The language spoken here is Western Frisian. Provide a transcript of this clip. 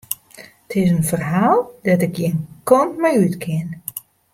It is in ferhaal dêr't ik gjin kant mei út kin.